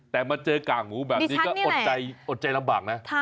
แต่มาเจอกากหมูแบบนี้ก็อดใจอดใจลำบังนะดิฉันนี่แหละ